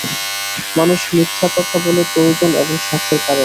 মানুষ মিথ্যা কথা বলে প্রয়োজন এবং স্বার্থের কারণে।